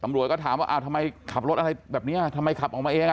ตำรวจก็ถามว่าอ้าวทำไมขับรถอะไรแบบนี้ทำไมขับออกมาเองอ่ะ